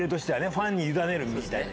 ファンに委ねるみたいな。